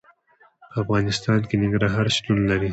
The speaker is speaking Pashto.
په افغانستان کې ننګرهار شتون لري.